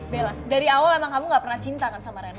bella dari awal emang kamu gak pernah cinta kan sama rena